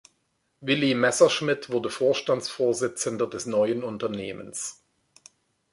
Willy Messerschmitt wurde Vorstandsvorsitzender des neuen Unternehmens.